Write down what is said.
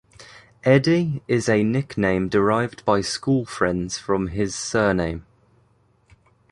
"Eddie" is a nickname derived by schoolfriends from his surname.